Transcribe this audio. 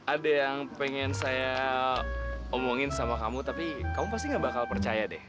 ada yang pengen saya omongin sama kamu tapi kamu pasti gak bakal percaya deh